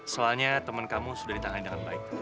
soalnya teman kamu sudah ditangani dengan baik